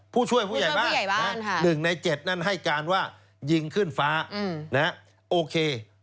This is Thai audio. ผู้ช่วยผู้ใหญ่บ้าน๑ใน๗นั้นให้การว่ายิงขึ้นฟ้าโอเค